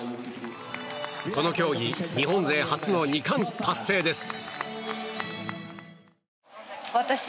この競技日本勢初の２冠達成です。